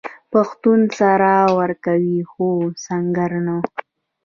پښتون سر ورکوي خو سنګر نه.